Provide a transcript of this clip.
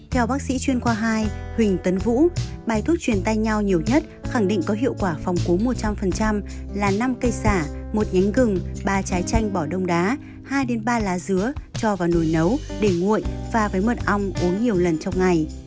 theo bác sĩ chuyên khoa hai huỳnh tấn vũ bài thuốc truyền tay nhau nhiều nhất khẳng định có hiệu quả phòng cúm một trăm linh là năm cây xả một nhánh gừng ba trái chanh bỏ đông đá hai ba lá dứa cho vào nồi nấu để nguội pha với mật ong uống nhiều lần trong ngày